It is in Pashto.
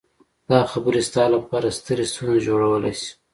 دا خبرې ستا لپاره سترې ستونزې جوړولی شي